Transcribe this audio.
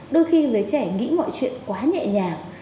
đôi khi giới trẻ nghĩ mọi chuyện quá nhẹ nhàng